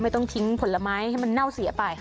ต้องทิ้งผลไม้ให้มันเน่าเสียไปค่ะ